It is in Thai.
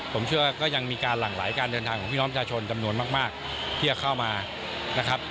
ผมเชื่อว่าก็ยังมีการหลั่งไหลการเดินทางของพี่น้องชาชนจำนวนมากที่จะเข้ามานะครับ